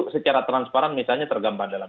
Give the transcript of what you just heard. secara transparan misalnya tergambar dalam